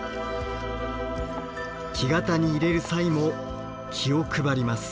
木型に入れる際も気を配ります。